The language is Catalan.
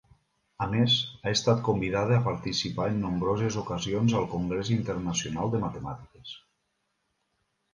A més, ha estat convidada a participar en nombroses ocasions al Congrés Internacional de Matemàtiques.